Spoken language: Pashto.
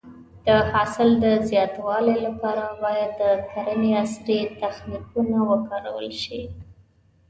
د حاصل د زیاتوالي لپاره باید د کرنې عصري تخنیکونه وکارول شي.